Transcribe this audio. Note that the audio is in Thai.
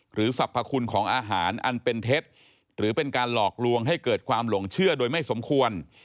สรรพคุณของอาหารอันเป็นเท็จหรือเป็นการหลอกลวงให้เกิดความหลงเชื่อโดยไม่สมควร